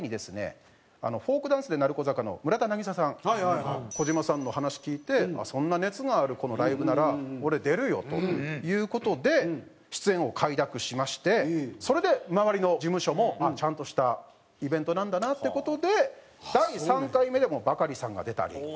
フォークダンスＤＥ成子坂の村田渚さん児島さんの話聞いて「そんな熱があるこのライブなら俺出るよ」という事で出演を快諾しましてそれで周りの事務所もちゃんとしたイベントなんだなって事で第３回目でもうバカリさんが出たり。